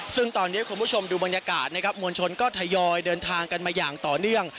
ซึ่งตอนนี้คุณผู้ชมดูบรรยากาศนะครับมวลชนก็ทยอยเดินทางกันมาอย่างต่อเนื่อง